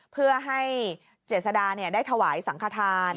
เพื่อให้เจษดาได้ถวายสังขทาน